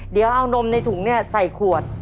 เดี๋ยวเอานมในถุงใส่ขวด